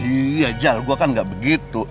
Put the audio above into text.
iya jal gue kan gak begitu